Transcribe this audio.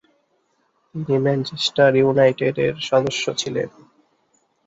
তিনি ম্যানচেস্টার ইউনাইটেডের সদস্য ছিলেন।